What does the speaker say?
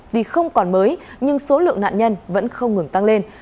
vì không còn mới nhưng số lượng nạn nhân vẫn không ngừng tăng lên